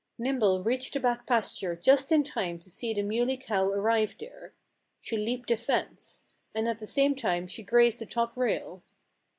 Nimble reached the back pasture just in time to see the Muley Cow arrive there. She leaped the fence. And at the same time she grazed the top rail.